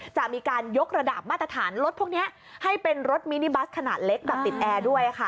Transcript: จะมีการยกระดับมาตรฐานรถพวกนี้ให้เป็นรถมินิบัสขนาดเล็กแบบติดแอร์ด้วยค่ะ